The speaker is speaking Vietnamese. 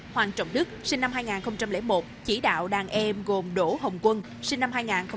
hoàng trọng đức sinh năm hai nghìn một chỉ đạo đàn em gồm đỗ hồng quân sinh năm hai nghìn ba